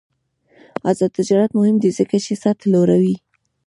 آزاد تجارت مهم دی ځکه چې سطح لوړوي.